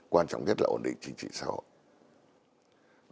quan trọng nhất là ổn định chính trị xã hội